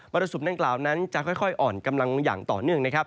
มรสุมกล่างกล่างนั้นจะค่อยอ่อนกำลังลงอย่างต่อเนื่อง